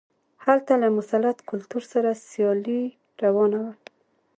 هلته له مسلط کلتور سره سیالي روانه وه.